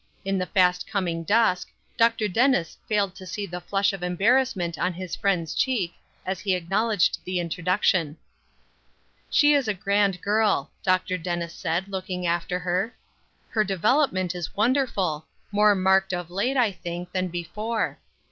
In the fast coming dusk, Dr. Dennis failed to see the flush of embarrassment on his friend's cheek, as he acknowledged the introduction. "She is a grand girl," Dr. Dennis said, looking after her. "Her development is wonderful; more marked of late, I think, than before.